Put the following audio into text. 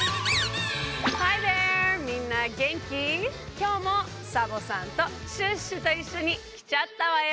きょうもサボさんとシュッシュといっしょにきちゃったわよ！